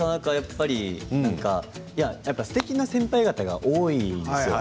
やっぱりすてきな先輩方が多いんですよ。